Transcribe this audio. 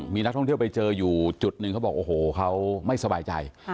มีนักท่องเที่ยวไปเจออยู่จุดหนึ่งเขาบอกโอ้โหเขาไม่สบายใจ